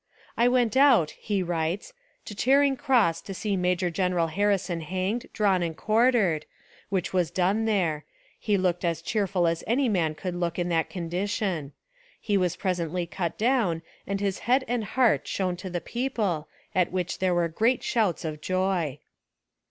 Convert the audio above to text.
"I went out," he writes, "to Char ing Cross to see Major General Harrison hanged, drawn, and quartered, which was done there; he looked as cheerful as any man could look in that condition. He was presently cut down and his head and heart shown to the people at which there were great shouts of joy."